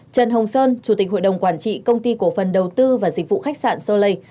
trần hồng sơn chủ tịch hội đồng quản trị công ty cổ phần đầu tư và dịch vụ khách sạn solei